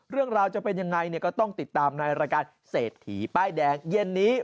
เรื่องราวจะเป็นยังไงก็ต้องติดตามในรายการเศรษฐีป้ายแดงเย็นนี้